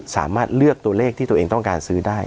สามารถเลือกตัวเลขที่ตัวเองต้องการซื้อได้